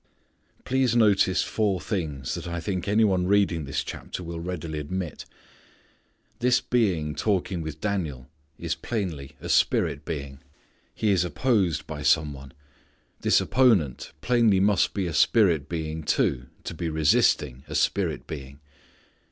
Please notice four things that I think any one reading this chapter will readily admit. This being talking with Daniel is plainly a spirit being. He is opposed by some one. This opponent plainly must be a spirit being, too, to be resisting a spirit being.